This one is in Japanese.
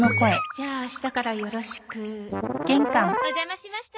じゃあ明日からよろしくお邪魔しました。